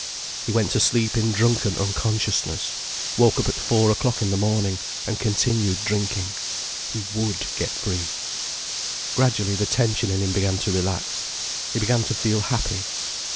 He went to sleep in drunken unconsciousness, woke up at four o'clock in the morning and continued drinking. He would get free. Gradually the tension in him began to relax. He began to feel happy.